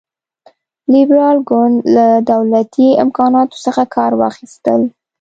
لېبرال ګوند له دولتي امکاناتو څخه کار واخیست.